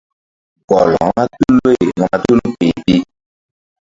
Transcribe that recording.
Gɔl vba tul loy vba tul kpeh pi.